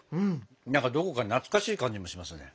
何かどこか懐かしい感じもしますね。